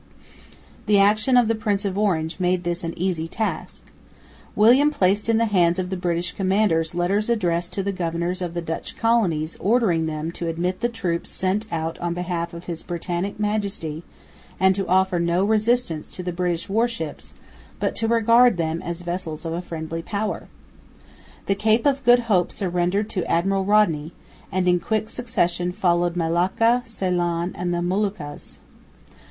The action of the Prince of Orange made this an easy task. William placed in the hands of the British commanders letters addressed to the governors of the Dutch colonies ordering them "to admit the troops sent out on behalf of his Britannic Majesty and to offer no resistance to the British warships, but to regard them as vessels of a friendly Power." The Cape of Good Hope surrendered to Admiral Rodney; and in quick succession followed Malacca, Ceylon and the Moluccas.